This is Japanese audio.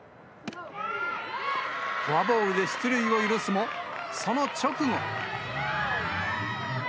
フォアボールで出塁を許すも、その直後。